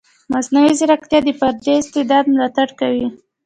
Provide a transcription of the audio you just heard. مصنوعي ځیرکتیا د فردي استعداد ملاتړ کوي.